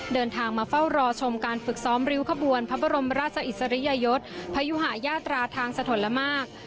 เดินทางมาเฝ้ารอชมการฝึกซ้อมริ้วขบวนพระบรมราชอิสริยยศพยุหายาตราทางสถนละมาก